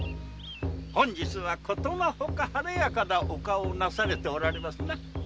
本日は殊の外晴れやかなお顔をなされておられますな。